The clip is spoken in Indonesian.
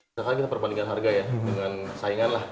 misalkan kita perbandingkan harga ya dengan saingan lah